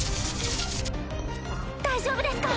大丈夫ですか？